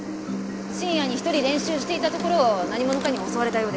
深夜に一人練習していたところを何者かに襲われたようです。